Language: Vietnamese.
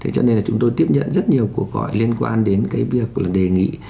cho nên chúng tôi tiếp nhận rất nhiều cuộc gọi liên quan đến việc đề nghị